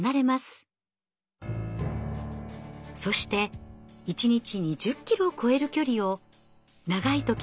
そして一日２０キロを超える距離を長い時は何日も歩き続けます。